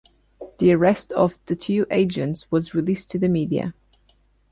The arrest of the two agents was released to the media.